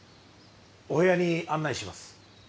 お部屋に案内します。